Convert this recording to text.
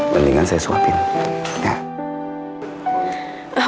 mendingan saya suapin ya